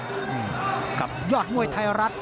รอบให้เดียวกับยอดมวยไทรัต